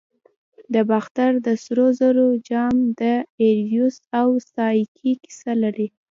د باختر د سرو زرو جام د ایروس او سایکي کیسه لري